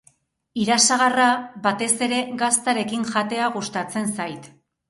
Irasagarra batez ere gaztarekin jatea gustatzen zait.